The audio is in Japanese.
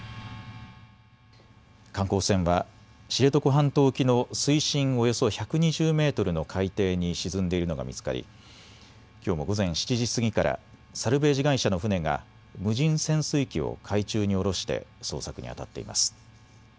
観光船は知床半島沖の水深およそ１２０メートルの海底に沈んでいるのが見つかりきょうも午前７時過ぎからサルベージ会社の船が無人潜水機を海中に下ろして捜索にあたっています。